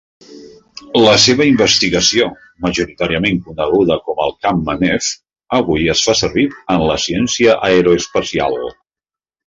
La seva investigació, majoritàriament coneguda com el camp Manev, avui es fa servir en la ciència aeroespacial.